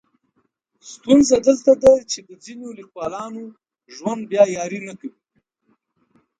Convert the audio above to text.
ستونزه دلته ده چې د ځینو لیکولانو ژوند بیا یاري نه کوي.